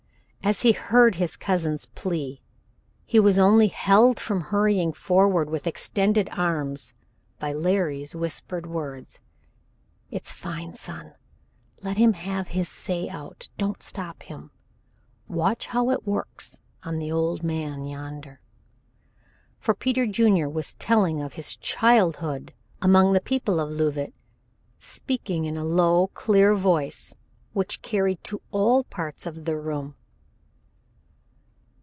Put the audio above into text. As he heard his cousin's plea he was only held from hurrying forward with extended arms by Larry's whispered words. "It's fine, son. Let him have his say out. Don't stop him. Watch how it works on the old man yonder," for Peter Junior was telling of his childhood among the people of Leauvite, speaking in a low, clear voice which carried to all parts of the room.